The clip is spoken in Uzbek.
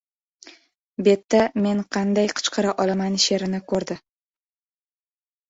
Betda "Men qanday qichqira olaman" she’rini ko‘rdi.